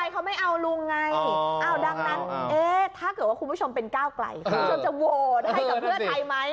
เขาไม่เอาลุงไงดังนั้นถ้าเกิดว่าคุณผู้ชมเป็นก้าวไกลคุณผู้ชมจะโหวตให้กับเพื่อไทยไหม